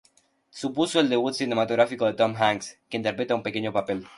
Supuso el debut cinematográfico de Tom Hanks, que interpreta un pequeño papel.